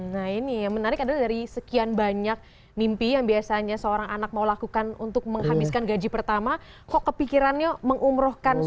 nah ini yang menarik adalah dari sekian banyak mimpi yang biasanya seorang anak mau lakukan untuk menghabiskan gaji pertama kok kepikirannya mengumrohkan semua